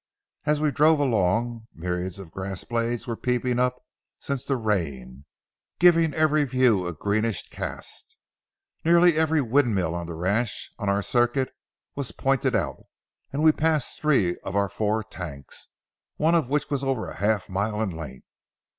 As we drove along, myriads of grass blades were peeping up since the rain, giving every view a greenish cast. Nearly every windmill on the ranch on our circuit was pointed out, and we passed three of our four tanks, one of which was over half a mile in length.